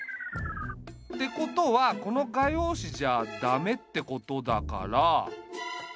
ってことはこの画用紙じゃ駄目ってことだから。